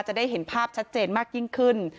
จะได้เห็นภาพชัดเจนมากยิ่งขึ้น